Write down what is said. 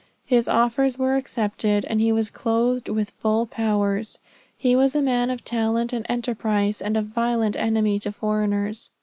His offers were accepted, and he was clothed with full powers. He was a man of talent and enterprise, and a violent enemy to foreigners.